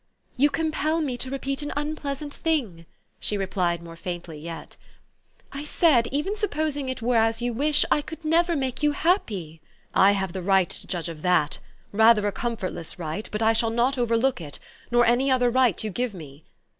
" You compel me to repeat an unpleasant thing," she replied more faintly yet. "I said, even sup posing it were as you wish, I could never make you happy. " "I have the right to judge of that, rather a comfortless right ; but I shah 1 not overlook it, nor any other right you give me."